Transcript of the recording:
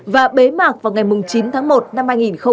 và bế mạc vào ngày chín tháng một năm hai nghìn hai mươi